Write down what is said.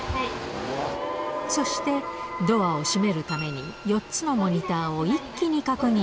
そして、ドアを閉めるために、４つのモニターを一気に確認。